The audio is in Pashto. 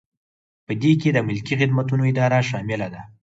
په دې کې د ملکي خدمتونو اداره شامله ده.